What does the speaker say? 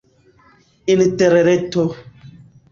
interreto